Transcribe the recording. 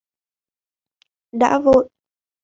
Đang vội